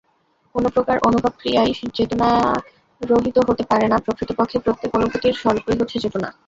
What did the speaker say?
কোন প্রকার অনুভব-ক্রিয়াই চেতনারহিত হতে পারে না, প্রকৃতপক্ষে প্রত্যেক অনুভূতির স্বরূপই হচ্ছে চেতনা।